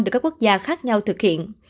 được các quốc gia khác nhau thực hiện